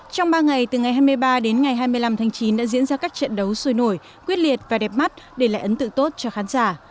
trong ba ngày từ ngày hai mươi ba đến ngày hai mươi năm tháng chín đã diễn ra các trận đấu sôi nổi quyết liệt và đẹp mắt để lại ấn tượng tốt cho khán giả